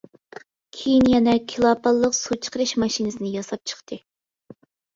كېيىن يەنە كىلاپانلىق سۇ چىقىرىش ماشىنىسىنى ياساپ چىقتى.